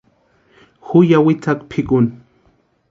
Ju ya witsakwa pʼikuni.